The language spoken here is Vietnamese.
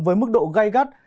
với mức độ gây gắt